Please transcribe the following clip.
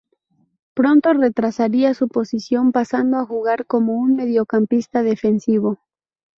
Pronto retrasaría su posición, pasando a jugar como mediocampista defensivo.